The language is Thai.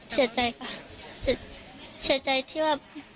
เสียใจค่ะเสียใจที่ว่า